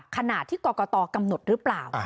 ขณะที่กรกตกำหนดหรือเปล่า